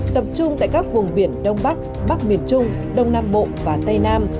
tập trung tại các vùng biển đông bắc bắc miền trung đông nam bộ và tây nam